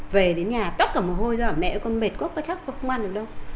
về đến nhà tóc cả mồ hôi rồi mẹ ơi con mệt quá chắc con không ăn được đâu